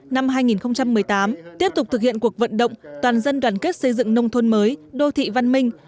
năm hai nghìn một mươi tám tiếp tục thực hiện cuộc vận động toàn dân đoàn kết xây dựng nông thôn mới đô thị văn minh